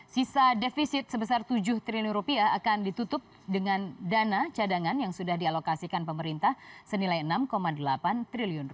sisa defisit sebesar rp tujuh triliun akan ditutup dengan dana cadangan yang sudah dialokasikan pemerintah senilai rp enam delapan triliun